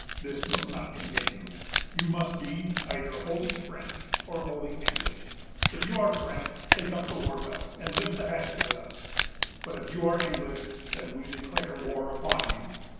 This must not continue. You must be either wholly French or wholly English. If you are French, take up that war belt, and lift the hatchet with us; but if you are English, then we declare war upon you.